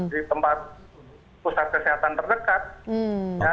di tempat pusat kesehatan terdekat